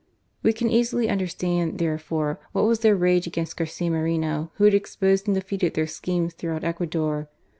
"' We can easily understand, therefore, what was their rage against Garcia Moreno, who had exposed and defeated their schemes throughout Ecuador.